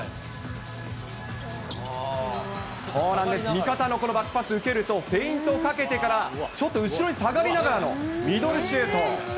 そうなんです、味方のこのバックパス受けると、フェイントをかけてから、ちょっと後ろに下がりながらのミドルシュート。